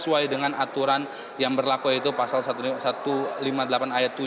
sesuai dengan aturan yang berlaku yaitu pasal satu ratus lima puluh delapan ayat tujuh